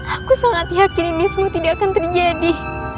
aku sangat yakin ini semua tidak akan terjadi